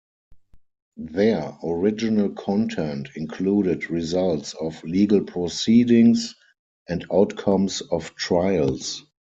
Their original content included results of legal proceedings and outcomes of trials.